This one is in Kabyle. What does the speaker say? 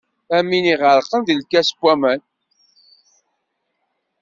Am win iɣerqen deg lkas n waman.